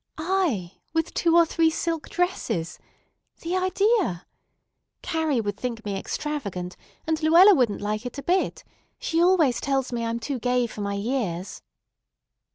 I with two or three silk dresses! The idea! Carrie would think me extravagant, and Luella wouldn't like it a bit. She always tells me I'm too gay for my years."